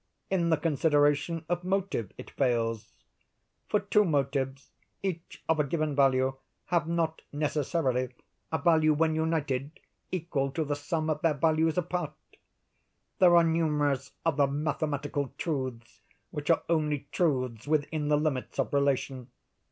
In the consideration of motive it fails; for two motives, each of a given value, have not, necessarily, a value when united, equal to the sum of their values apart. There are numerous other mathematical truths which are only truths within the limits of relation.